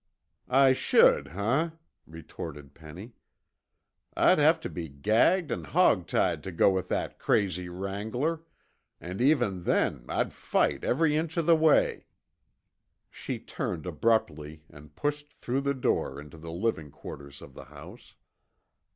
"I should, huh!" retorted Penny. "I'd have to be gagged and hog tied to go with that crazy wrangler, and even then I'd fight every inch of the way." She turned abruptly and pushed through the door into the living quarters of the house.